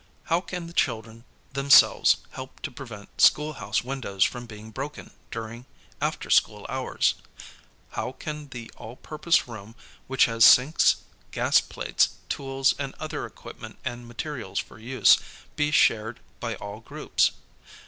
"How can the children themselves help to prevent schoolhouse windows from being broken during after school hours?'" "How can the all j)urpose room which has sinks, gas plates, tools, and other equipment and materials for use. be shared by all groups?"